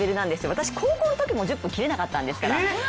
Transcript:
私、高校のときも１０分切れなかったんですから。